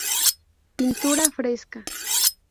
Pintura Fresca.